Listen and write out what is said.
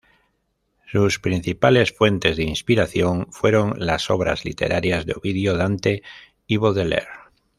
Sus principales fuentes de inspiración fueron las obras literarias de Ovidio, Dante y Baudelaire.